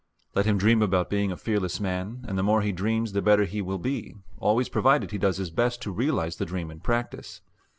Let him dream about being a fearless man, and the more he dreams the better he will be, always provided he does his best to realize the dream in practice.